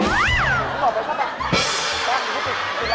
น้องไปซะแบบ